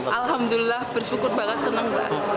alhamdulillah bersyukur banget senang lah